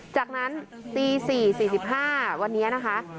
จากนั้นตี๔๔๕วันนี้นะคะ